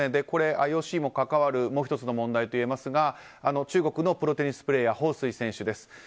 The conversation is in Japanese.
これ、ＩＯＣも関わるもう１つの問題だといえますが中国のプロテニスプレーヤーホウ・スイ選手です。